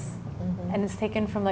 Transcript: dan diambil dari